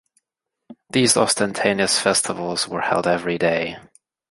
These ostentatious festivals were held every day.